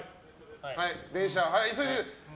電車、急いで。